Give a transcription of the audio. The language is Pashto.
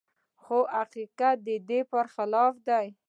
خو حقيقت د دې پرخلاف دی.